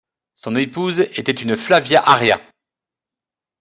Son épouse était une Flavia Arria.